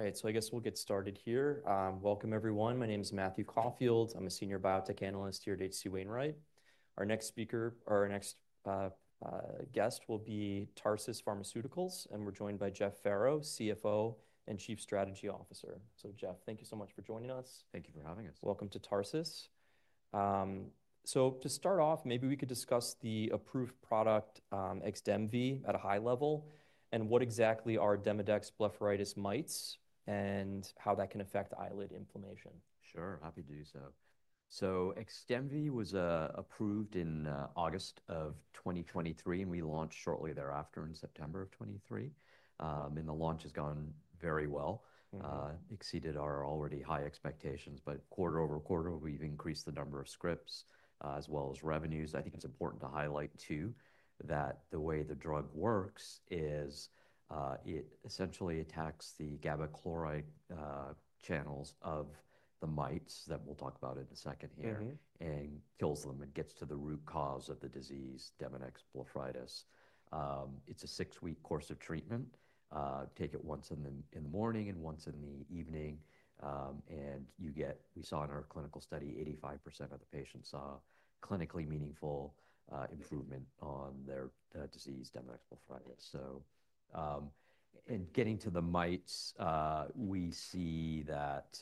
All right, so I guess we'll get started here. Welcome, everyone. My name is Matthew Caufield. I'm a Senior Biotech analyst here at H.C. Wainwright. Our next speaker, our next guest, will be Tarsus Pharmaceuticals, and we're joined by Jeff Farrow, CFO and Chief Strategy Officer. So, Jeff, thank you so much for joining us. Thank you for having us. Welcome to Tarsus. To start off, maybe we could discuss the approved product XDEMVY at a high level, and what exactly are Demodex blepharitis mites and how that can affect eyelid inflammation. Sure, happy to do so. XDEMVY was approved in August of 2023, and we launched shortly thereafter in September of 2023. The launch has gone very well, exceeded our already high expectations, but quarter over quarter, we've increased the number of scripts as well as revenues. I think it's important to highlight, too, that the way the drug works is it essentially attacks the GABA-chloride channels of the mites that we'll talk about in a second here and kills them and gets to the root cause of the disease, Demodex blepharitis. It's a six-week course of treatment. Take it once in the morning and once in the evening, and you get, we saw in our clinical study, 85% of the patients saw clinically meaningful improvement on their disease, Demodex blepharitis. Getting to the mites, we see that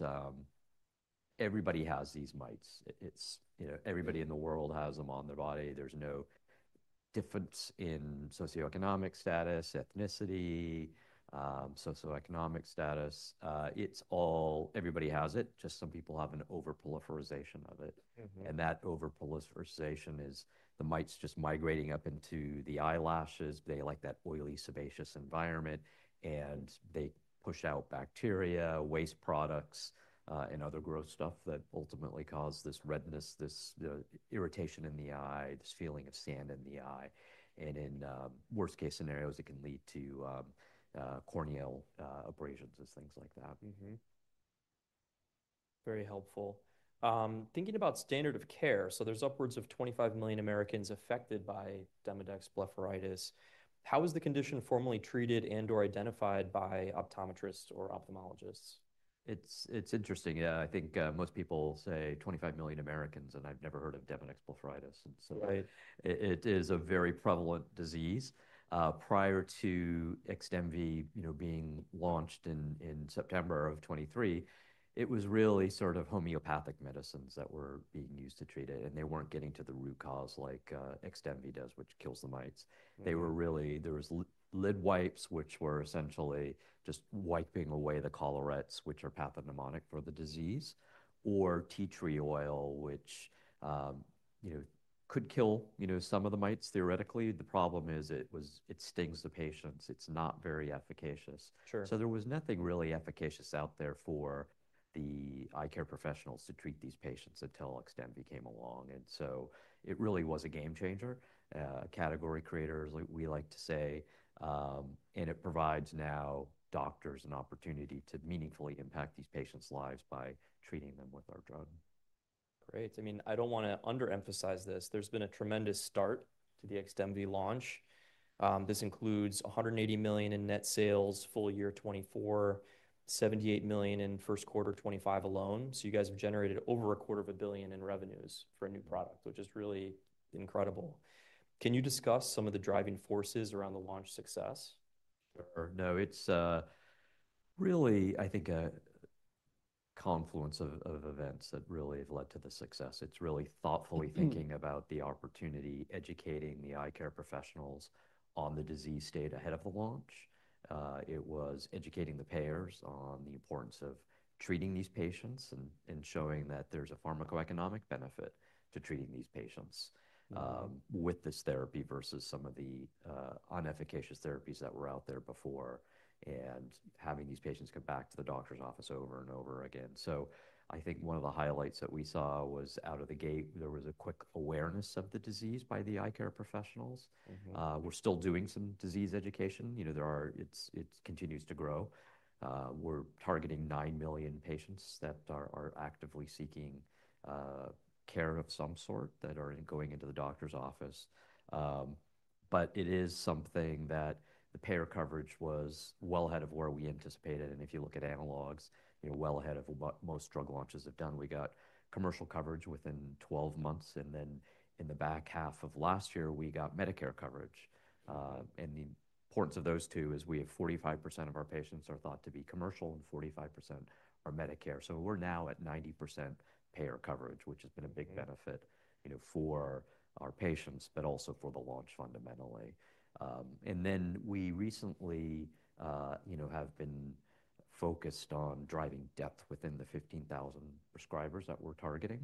everybody has these mites. It's, you know, everybody in the world has them on their body. There's no difference in socioeconomic status, ethnicity, socioeconomic status. It's all, everybody has it, just some people have an overproliferation of it. That overproliferation is the mites just migrating up into the eyelashes. They like that oily, sebaceous environment, and they push out bacteria, waste products, and other gross stuff that ultimately cause this redness, this irritation in the eye, this feeling of sand in the eye. In worst-case scenarios, it can lead to corneal abrasions and things like that. Very helpful. Thinking about standard of care, so there's upwards of 25 million Americans affected by Demodex blepharitis. How is the condition formally treated and/or identified by optometrists or ophthalmologists? It's interesting, yeah. I think most people say 25 million Americans, and I've never heard of Demodex blepharitis. It is a very prevalent disease. Prior to XDEMVY, you know, being launched in September of 2023, it was really sort of homeopathic medicines that were being used to treat it, and they weren't getting to the root cause like XDEMVY does, which kills the mites. They were really, there was lid wipes, which were essentially just wiping away the collarets, which are pathognomonic for the disease, or tea tree oil, which, you know, could kill, you know, some of the mites, theoretically. The problem is it was, it stings the patients. It's not very efficacious. There was nothing really efficacious out there for the eye care professionals to treat these patients until XDEMVY came along. It really was a game changer, category creators, we like to say, and it provides now doctors an opportunity to meaningfully impact these patients' lives by treating them with our drug. Great. I mean, I don't want to underemphasize this. There's been a tremendous start to the XDEMVY launch. This includes $180 million in net sales full year 2024, $78 million in first quarter 2025 alone. So you guys have generated over a quarter of a billion in revenues for a new product, which is really incredible. Can you discuss some of the driving forces around the launch success? Sure. No, it's really, I think, a confluence of events that really have led to the success. It's really thoughtfully thinking about the opportunity, educating the eye care professionals on the disease state ahead of the launch. It was educating the payers on the importance of treating these patients and showing that there's a pharmacoeconomic benefit to treating these patients with this therapy versus some of the unefficacious therapies that were out there before and having these patients come back to the doctor's office over and over again. I think one of the highlights that we saw was out of the gate, there was a quick awareness of the disease by the eye care professionals. We're still doing some disease education. You know, it continues to grow. We're targeting 9 million patients that are actively seeking care of some sort that are going into the doctor's office. It is something that the payer coverage was well ahead of where we anticipated. If you look at analogs, you know, well ahead of what most drug launches have done, we got commercial coverage within 12 months. In the back half of last year, we got Medicare coverage. The importance of those two is we have 45% of our patients are thought to be commercial and 45% are Medicare. We are now at 90% payer coverage, which has been a big benefit, you know, for our patients, but also for the launch fundamentally. We recently, you know, have been focused on driving depth within the 15,000 prescribers that we are targeting.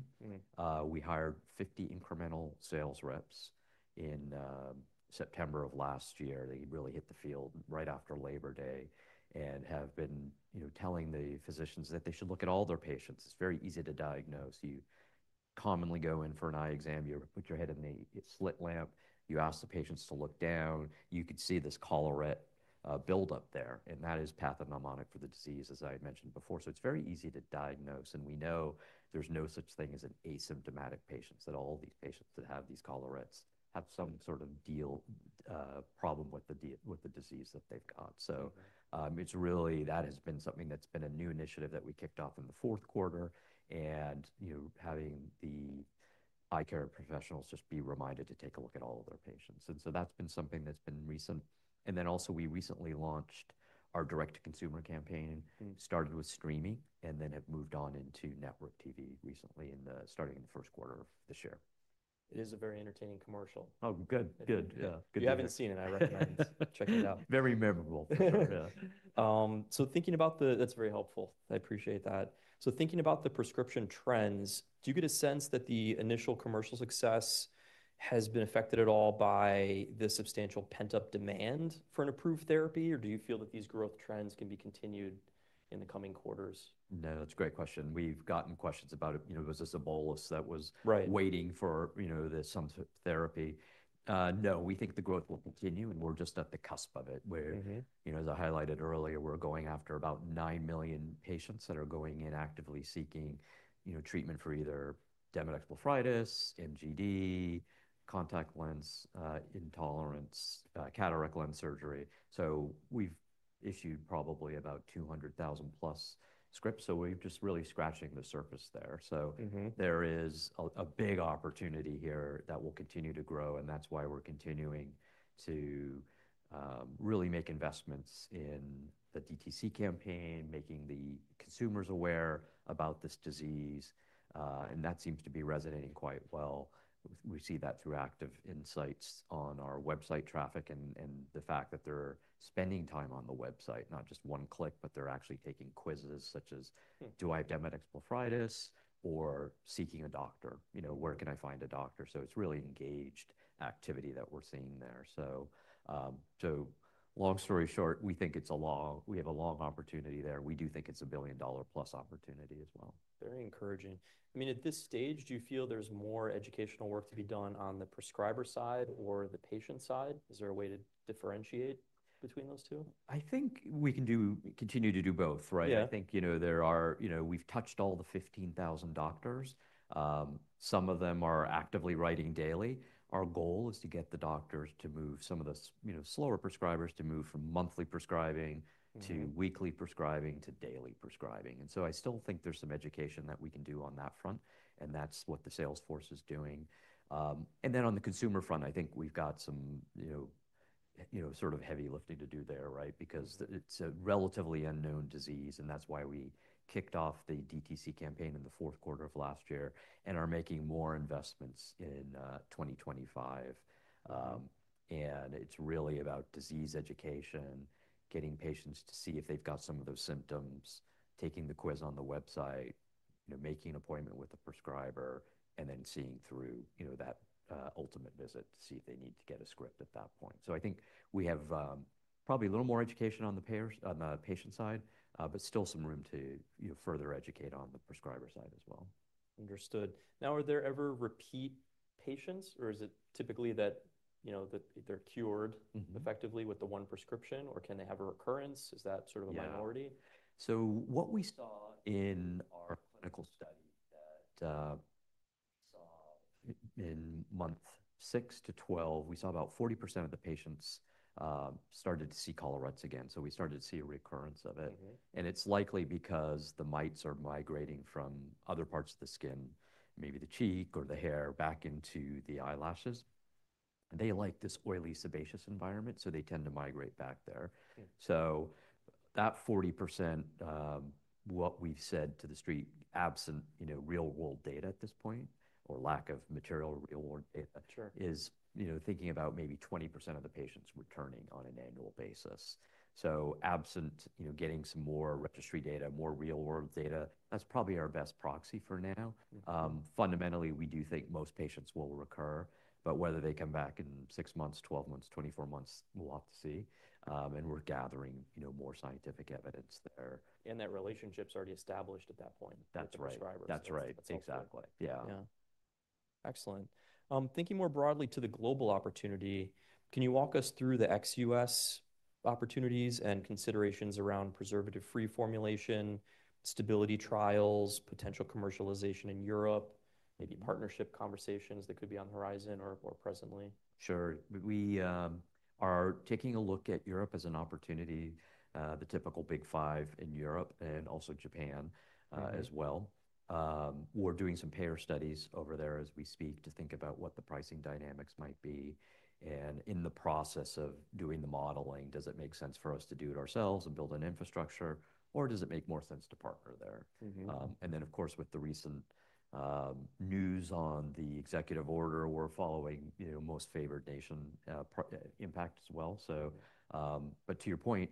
We hired 50 incremental sales reps in September of last year. They really hit the field right after Labor Day and have been, you know, telling the physicians that they should look at all their patients. It's very easy to diagnose. You commonly go in for an eye exam, you put your head in the slit lamp, you ask the patients to look down, you could see this collarette buildup there, and that is pathognomonic for the disease, as I had mentioned before. It's very easy to diagnose. We know there's no such thing as an asymptomatic patient, that all these patients that have these collarettes have some sort of deal problem with the disease that they've got. It's really, that has been something that's been a new initiative that we kicked off in the fourth quarter and, you know, having the eye care professionals just be reminded to take a look at all of their patients. That has been something that's been recent. We recently launched our direct-to-consumer campaign, started with streaming and then have moved on into network TV recently, starting in the first quarter of this year. It is a very entertaining commercial. Oh, good, good. If you haven't seen it, I recommend checking it out. Very memorable. That's very helpful. I appreciate that. So thinking about the prescription trends, do you get a sense that the initial commercial success has been affected at all by the substantial pent-up demand for an approved therapy, or do you feel that these growth trends can be continued in the coming quarters? No, that's a great question. We've gotten questions about it, you know, was this a bolus that was waiting for, you know, some therapy? No, we think the growth will continue and we're just at the cusp of it, where, you know, as I highlighted earlier, we're going after about 9 million patients that are going in actively seeking, you know, treatment for either Demodex blepharitis, MGD, contact lens intolerance, cataract lens surgery. We've issued probably about 200,000 plus scripts. We're just really scratching the surface there. There is a big opportunity here that will continue to grow. That's why we're continuing to really make investments in the DTC campaign, making the consumers aware about this disease. That seems to be resonating quite well. We see that through active insights on our website traffic and the fact that they're spending time on the website, not just one click, but they're actually taking quizzes such as, do I have Demodex blepharitis or seeking a doctor? You know, where can I find a doctor? It is really engaged activity that we're seeing there. Long story short, we think it's a long, we have a long opportunity there. We do think it's a billion-dollar-plus opportunity as well. Very encouraging. I mean, at this stage, do you feel there's more educational work to be done on the prescriber side or the patient side? Is there a way to differentiate between those two? I think we can do, continue to do both, right? I think, you know, there are, you know, we've touched all the 15,000 doctors. Some of them are actively writing daily. Our goal is to get the doctors to move some of the, you know, slower prescribers to move from monthly prescribing to weekly prescribing to daily prescribing. I still think there's some education that we can do on that front. That's what the sales force is doing. On the consumer front, I think we've got some, you know, you know, sort of heavy lifting to do there, right? Because it's a relatively unknown disease. That's why we kicked off the DTC campaign in the fourth quarter of last year and are making more investments in 2025. It is really about disease education, getting patients to see if they've got some of those symptoms, taking the quiz on the website, you know, making an appointment with a prescriber, and then seeing through, you know, that ultimate visit to see if they need to get a script at that point. I think we have probably a little more education on the payers, on the patient side, but still some room to, you know, further educate on the prescriber side as well. Understood. Now, are there ever repeat patients, or is it typically that, you know, that they're cured effectively with the one prescription, or can they have a recurrence? Is that sort of a minority? What we saw in our clinical study that we saw in month six to twelve, we saw about 40% of the patients started to see collarets again. We started to see a recurrence of it. It's likely because the mites are migrating from other parts of the skin, maybe the cheek or the hair back into the eyelashes. They like this oily, sebaceous environment, so they tend to migrate back there. That 40%, what we've said to the street, absent, you know, real-world data at this point, or lack of material real-world data, is, you know, thinking about maybe 20% of the patients returning on an annual basis. Absent, you know, getting some more registry data, more real-world data, that's probably our best proxy for now. Fundamentally, we do think most patients will recur, but whether they come back in six months, 12 months, 24 months, we'll have to see. We're gathering, you know, more scientific evidence there. That relationship's already established at that point with the prescribers. That's right. That's exactly. Yeah. Excellent. Thinking more broadly to the global opportunity, can you walk us through the XUS opportunities and considerations around preservative-free formulation, stability trials, potential commercialization in Europe, maybe partnership conversations that could be on the horizon or presently? Sure. We are taking a look at Europe as an opportunity, the typical big five in Europe and also Japan as well. We're doing some payer studies over there as we speak to think about what the pricing dynamics might be. In the process of doing the modeling, does it make sense for us to do it ourselves and build an infrastructure, or does it make more sense to partner there? Of course, with the recent news on the executive order, we're following, you know, most favored nation impact as well. To your point,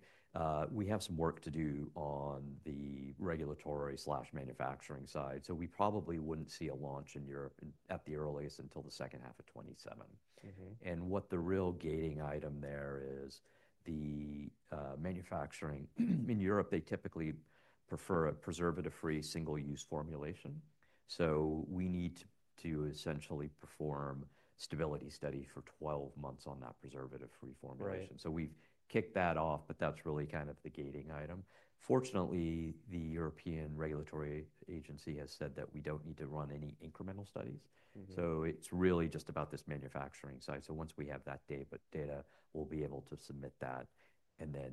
we have some work to do on the regulatory/manufacturing side. We probably wouldn't see a launch in Europe at the earliest until the second half of 2027. What the real gating item there is, the manufacturing in Europe, they typically prefer a preservative-free single-use formulation. We need to essentially perform a stability study for 12 months on that preservative-free formulation. We've kicked that off, but that's really kind of the gating item. Fortunately, the European regulatory agency has said that we don't need to run any incremental studies. It's really just about this manufacturing side. Once we have that data, we'll be able to submit that and then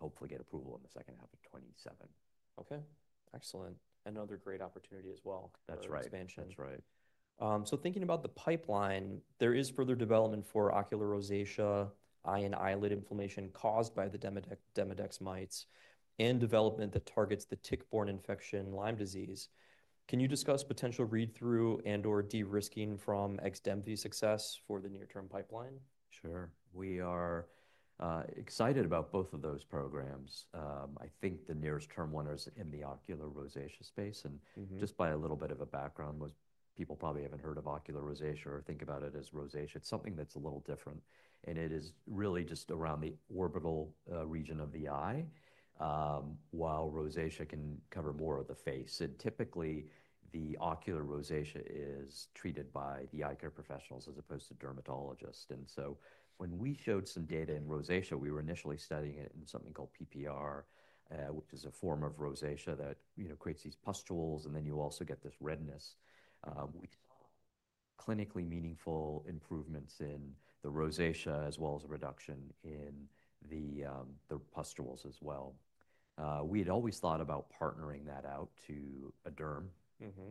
hopefully get approval in the second half of 2027. Okay. Excellent. Another great opportunity as well. That's right. That's right. Thinking about the pipeline, there is further development for ocular rosacea, eye and eyelid inflammation caused by the Demodex mites, and development that targets the tick-borne infection, Lyme disease. Can you discuss potential read-through and/or de-risking from XDEMVY success for the near-term pipeline? Sure. We are excited about both of those programs. I think the nearest term winners in the ocular rosacea space. And just by a little bit of a background, most people probably haven't heard of ocular rosacea or think about it as rosacea. It's something that's a little different. It is really just around the orbital region of the eye, while rosacea can cover more of the face. Typically, the ocular rosacea is treated by the eye care professionals as opposed to dermatologists. When we showed some data in rosacea, we were initially studying it in something called PPR, which is a form of rosacea that, you know, creates these pustules and then you also get this redness. We saw clinically meaningful improvements in the rosacea as well as a reduction in the pustules as well. We had always thought about partnering that out to a derm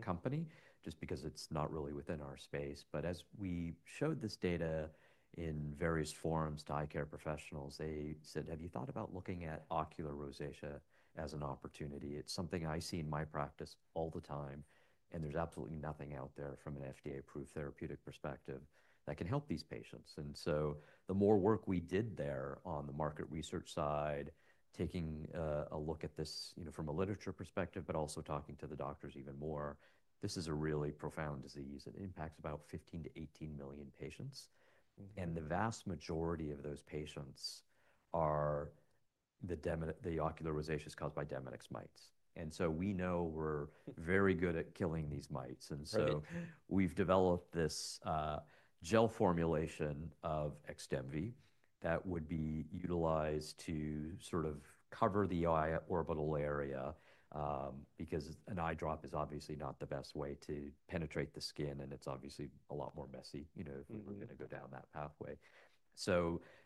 company just because it's not really within our space. As we showed this data in various forums to eye care professionals, they said, "Have you thought about looking at ocular rosacea as an opportunity? It's something I see in my practice all the time, and there's absolutely nothing out there from an FDA-approved therapeutic perspective that can help these patients." The more work we did there on the market research side, taking a look at this, you know, from a literature perspective, but also talking to the doctors even more, this is a really profound disease. It impacts about 15-18 million patients. The vast majority of those patients are the ocular rosacea is caused by Demodex mites. We know we're very good at killing these mites. We have developed this gel formulation of XDEMVY that would be utilized to sort of cover the eye orbital area because an eye drop is obviously not the best way to penetrate the skin, and it's obviously a lot more messy, you know, if we were going to go down that pathway.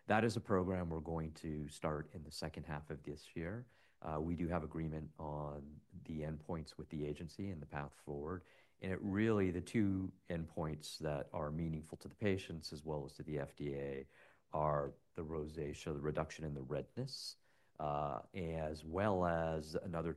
That is a program we're going to start in the second half of this year. We do have agreement on the endpoints with the agency and the path forward. The two endpoints that are meaningful to the patients as well as to the FDA are the rosacea, the reduction in the redness, as well as another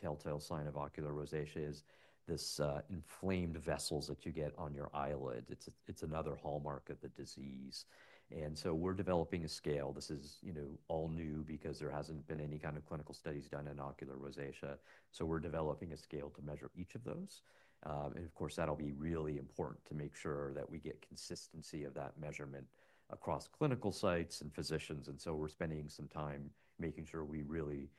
telltale sign of ocular rosacea, which is this inflamed vessels that you get on your eyelids. It's another hallmark of the disease. We are developing a scale. This is, you know, all new because there hasn't been any kind of clinical studies done in ocular rosacea. We're developing a scale to measure each of those. Of course, that'll be really important to make sure that we get consistency of that measurement across clinical sites and physicians. We're spending some time making sure we really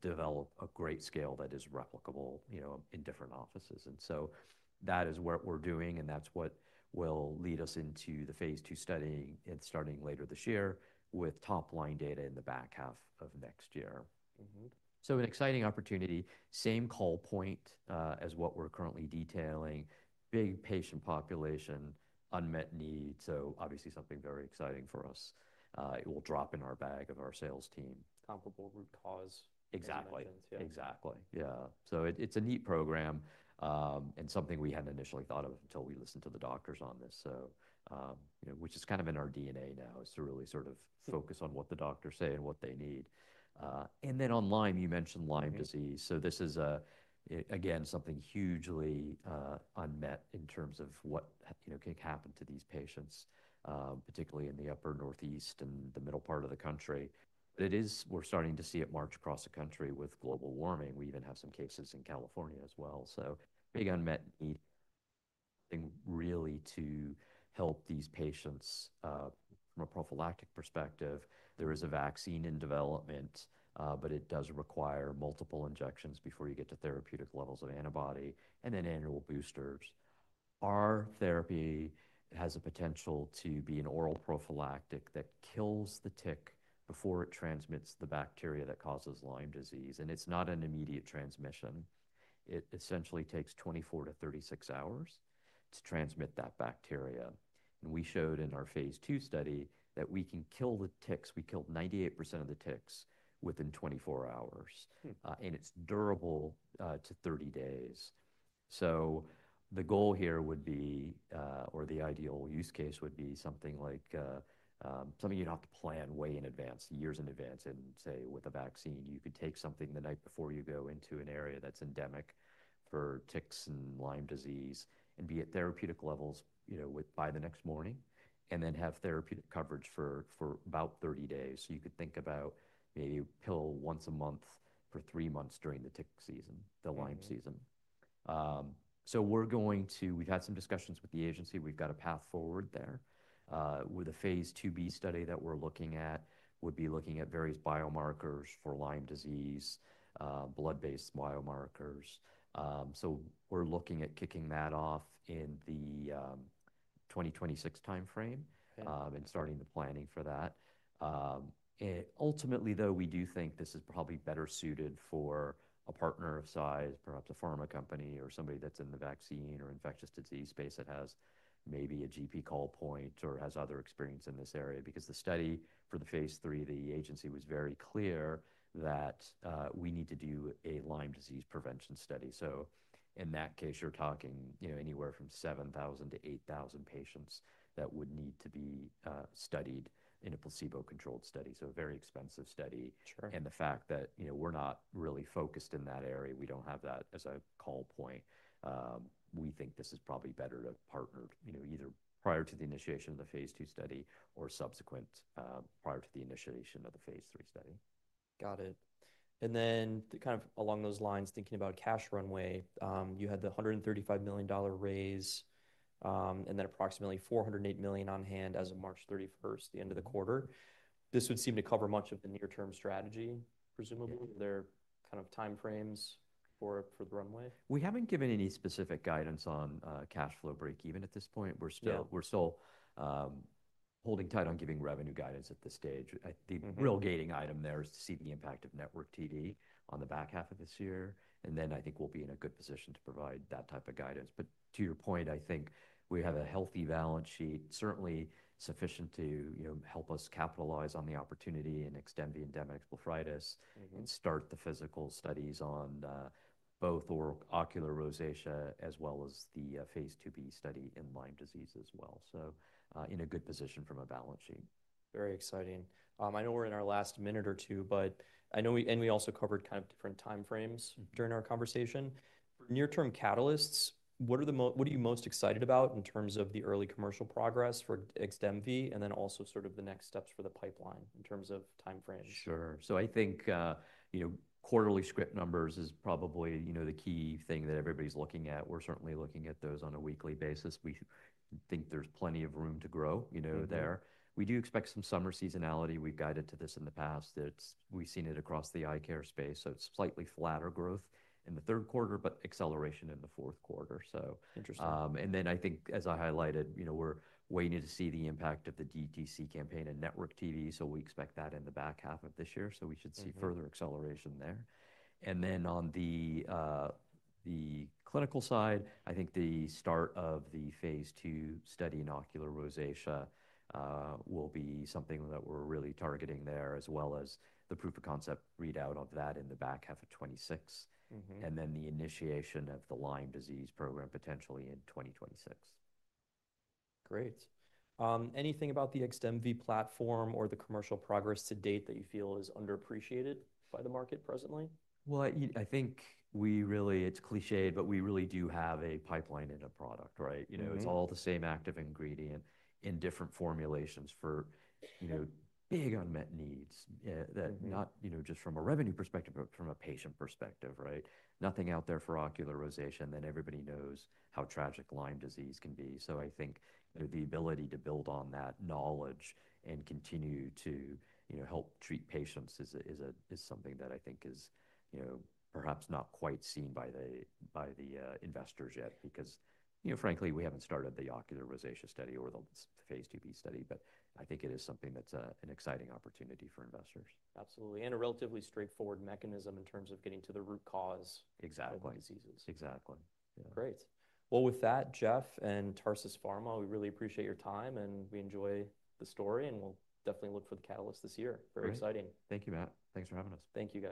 develop a great scale that is replicable, you know, in different offices. That is what we're doing. That's what will lead us into the phase two study starting later this year with top line data in the back half of next year. An exciting opportunity, same call point as what we're currently detailing, big patient population, unmet need. Obviously something very exciting for us. It will drop in our bag of our sales team. Comparable root cause. Exactly. Exactly. Yeah. So it's a neat program and something we hadn't initially thought of until we listened to the doctors on this. You know, which is kind of in our DNA now is to really sort of focus on what the doctors say and what they need. And then on Lyme, you mentioned Lyme disease. This is, again, something hugely unmet in terms of what, you know, can happen to these patients, particularly in the upper northeast and the middle part of the country. It is, we're starting to see it march across the country with global warming. We even have some cases in California as well. Big unmet need really to help these patients from a prophylactic perspective. There is a vaccine in development, but it does require multiple injections before you get to therapeutic levels of antibody and then annual boosters. Our therapy has a potential to be an oral prophylactic that kills the tick before it transmits the bacteria that causes Lyme disease. It's not an immediate transmission. It essentially takes 24-36 hours to transmit that bacteria. We showed in our phase two study that we can kill the ticks. We killed 98% of the ticks within 24 hours. It's durable to 30 days. The goal here would be, or the ideal use case would be something like something you'd have to plan way in advance, years in advance. Say with a vaccine, you could take something the night before you go into an area that's endemic for ticks and Lyme disease and be at therapeutic levels, you know, by the next morning and then have therapeutic coverage for about 30 days. You could think about maybe a pill once a month for three months during the tick season, the Lyme season. We're going to, we've had some discussions with the agency. We've got a path forward there. With a phase II-B study that we're looking at, we'd be looking at various biomarkers for Lyme disease, blood-based biomarkers. We're looking at kicking that off in the 2026 timeframe and starting the planning for that. Ultimately, though, we do think this is probably better suited for a partner of size, perhaps a pharma company or somebody that's in the vaccine or infectious disease space that has maybe a GP call point or has other experience in this area. Because the study for the phase III, the agency was very clear that we need to do a Lyme disease prevention study. In that case, you're talking, you know, anywhere from 7,000-8,000 patients that would need to be studied in a placebo-controlled study. A very expensive study. The fact that, you know, we're not really focused in that area, we don't have that as a call point. We think this is probably better to partner, you know, either prior to the initiation of the phase two study or subsequent prior to the initiation of the phase three study. Got it. And then kind of along those lines, thinking about cash runway, you had the $135 million raise and then approximately $408 million on hand as of March 31, the end of the quarter. This would seem to cover much of the near-term strategy, presumably. Are there kind of timeframes for the runway? We haven't given any specific guidance on cash flow break even at this point. We're still holding tight on giving revenue guidance at this stage. The real gating item there is to see the impact of network TD on the back half of this year. I think we'll be in a good position to provide that type of guidance. To your point, I think we have a healthy balance sheet, certainly sufficient to, you know, help us capitalize on the opportunity and extend the endemic blepharitis and start the physical studies on both ocular rosacea as well as the phase II-B study in Lyme disease as well. In a good position from a balance sheet. Very exciting. I know we're in our last minute or two, but I know we also covered kind of different timeframes during our conversation. For near-term catalysts, what are you most excited about in terms of the early commercial progress for XDEMVY and then also sort of the next steps for the pipeline in terms of timeframe? Sure. So I think, you know, quarterly script numbers is probably, you know, the key thing that everybody's looking at. We're certainly looking at those on a weekly basis. We think there's plenty of room to grow, you know, there. We do expect some summer seasonality. We've guided to this in the past. We've seen it across the eye care space. It's slightly flatter growth in the third quarter, but acceleration in the fourth quarter. Interesting. I think, as I highlighted, you know, we're waiting to see the impact of the DTC campaign and network TV. We expect that in the back half of this year. We should see further acceleration there. On the clinical side, I think the start of the phase two study in ocular rosacea will be something that we're really targeting there as well as the proof of concept readout of that in the back half of 2026. The initiation of the Lyme disease program potentially in 2026. Great. Anything about the XDEMVY platform or the commercial progress to date that you feel is underappreciated by the market presently? I think we really, it's cliched, but we really do have a pipeline in a product, right? You know, it's all the same active ingredient in different formulations for, you know, big unmet needs that not, you know, just from a revenue perspective, but from a patient perspective, right? Nothing out there for ocular rosacea and then everybody knows how tragic Lyme disease can be. I think the ability to build on that knowledge and continue to, you know, help treat patients is something that I think is, you know, perhaps not quite seen by the investors yet because, you know, frankly, we haven't started the ocular rosacea study or the phase 2b study, but I think it is something that's an exciting opportunity for investors. Absolutely. A relatively straightforward mechanism in terms of getting to the root cause of Lyme disease. Exactly. Exactly. Great. With that, Jeff and Tarsus Pharma, we really appreciate your time and we enjoy the story and we'll definitely look for the catalyst this year. Very exciting. Thank you, Matt. Thanks for having us. Thank you.